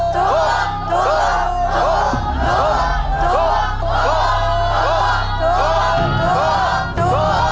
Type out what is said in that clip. ตู้